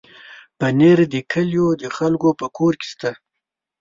پنېر د کلیو د خلکو په کور کې شته وي.